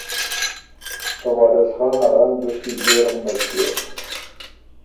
ته وارث خان ا رنګ دُشکی ݫئېړ غُندک ݭیوک۔